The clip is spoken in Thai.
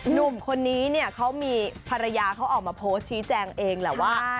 หนุ่มคนนี้เนี่ยเขามีภรรยาเขาออกมาโพสต์ชี้แจงเองแหละว่า